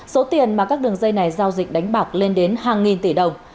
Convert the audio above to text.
số tiền mà các đường dây này giao dịch đánh bạc lên đến hàng nghìn tỷ đồng